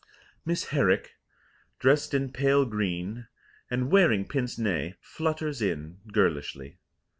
Miss Herrick, dressed in pale green and wearing pincenez, flutters in girlishly.